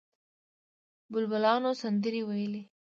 بلبلانو سندرې ویلې.